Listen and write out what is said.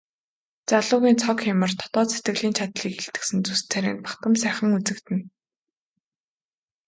Залуугийн цог хийморь дотоод сэтгэлийн чадлыг илтгэсэн зүс царай нь бахдам сайхан үзэгдэнэ.